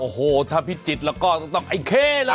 โอ้โฮถ้าพิจิตรแล้วก็ต้องต้องไอเค่เลย